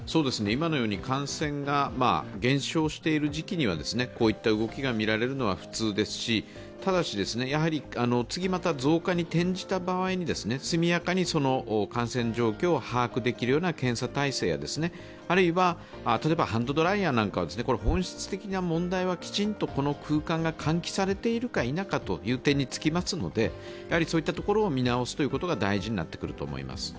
今のように感染が減少している時期にはこういった動きが見られるのは普通ですしただし、やはり次また増加に転じた場合に速やかにその感染状況を把握できるような検査体制、あるいは例えばハンドドライヤーなんかは本質的な問題は、きちんとこの空間が換気されているか否かということに尽きますのでそういったところを見直すことが大事になってくると思います。